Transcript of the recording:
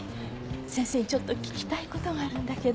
先生にちょっと聞きたい事があるんだけど。